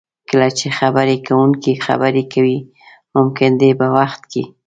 کله چې خبرې کوونکی خبرې کوي ممکن دې وخت کې